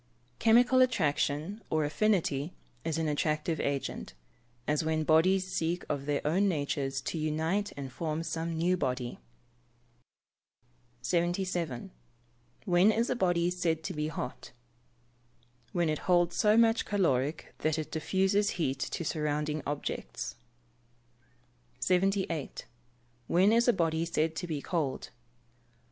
_ Chemical attraction, or affinity, is an attractive agent as when bodies seek of their own natures to unite and form some new body. 77. When is a body said to be hot? When it holds so much caloric that it diffuses heat to surrounding objects. 78. _When is a body said to be cold?